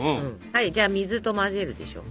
はいじゃあ水と混ぜるでしょ。